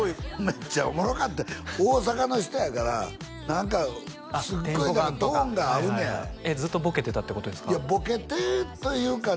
めっちゃおもろかった大阪の人やから何かすごいトーンが合うねやずっとボケてたってことですか？